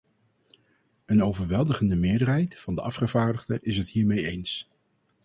Een overweldigende meerderheid van de afgevaardigden is het hiermee eens.